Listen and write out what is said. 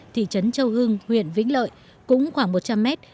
thị trấn châu hưng huyện vĩnh lợi cũng khoảng một trăm linh mét